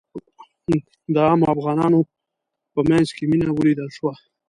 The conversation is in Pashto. د عامو افغانانو په منځ کې مينه ولیدل شوه.